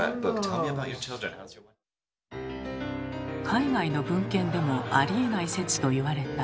海外の文献でもありえない説と言われた。